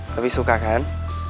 tapi suka kan